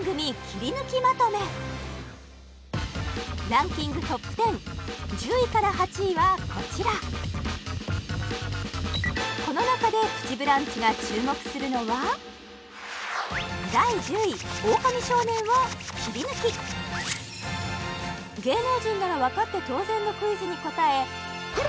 ランキングトップ１０１０位から８位はこちらこの中で「プチブランチ」が注目するのは第１０位「オオカミ少年」をキリヌキ芸能人ならわかって当然のクイズに答え